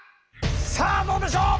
さあどうでしょう！